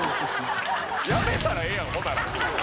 やめたらええやん、ほんなら。